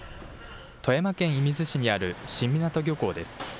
富山県射水市にある新湊漁港です。